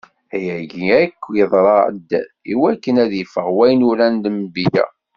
Ayagi akk iḍra-d iwakken ad iffeɣ wayen uran lenbiya.